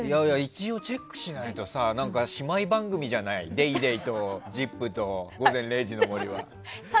一応チェックしないとさ姉妹番組じゃない「ＤａｙＤａｙ．」と「ＺＩＰ！」と「午前０時の森」。